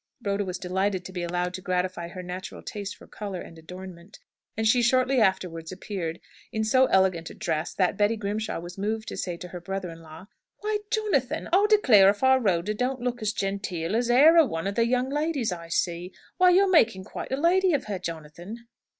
Rhoda was delighted to be allowed to gratify her natural taste for colour and adornment; and she shortly afterwards appeared in so elegant a dress, that Betty Grimshaw was moved to say to her brother in law, "Why, Jonathan, I'll declare if our Rhoda don't look as genteel as 'ere a one o' the young ladies I see! Why you're making quite a lady of her, Jonathan!"